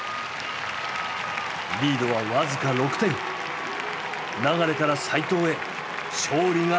リードは僅か６点流から齋藤へ勝利が託される。